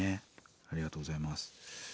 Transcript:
ありがとうございます。